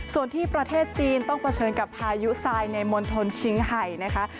ส่วนที่ประเทศจีนต้องเผชิญกับพายุทรายในมณฑลชิงไห่นะคะ